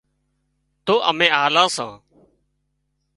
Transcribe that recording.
تو امين آلان سان